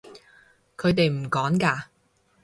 佢哋唔趕㗎